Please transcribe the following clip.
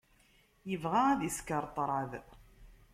Yebɣa ad isker ṭṭrad.